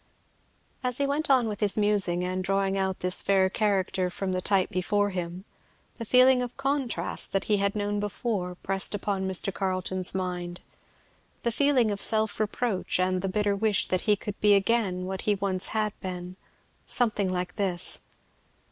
As he went on with his musing, and drawing out this fair character from the type before him, the feeling of contrast, that he had known before, pressed upon Mr. Carleton's mind, the feeling of self reproach, and the bitter wish that he could be again what he once had been, something like this.